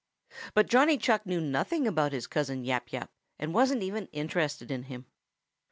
But Johnny Chuck knew nothing about his cousin, Yap Yap, and wasn't even interested in him.